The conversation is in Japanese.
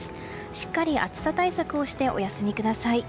しっかり暑さ対策をしてお休みください。